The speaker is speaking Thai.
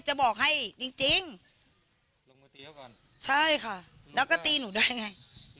จะบอกให้จริงจริงลงมาตีเขาก่อนใช่ค่ะแล้วก็ตีหนูได้ไง